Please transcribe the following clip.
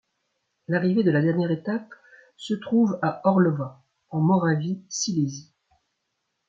L'arrivée de la dernière étape se trouve à Orlová, en Moravie-Silésie.